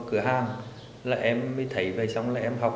cửa hàng là em mới thấy về xong là em học